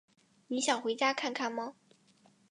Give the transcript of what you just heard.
你想回家看看吗？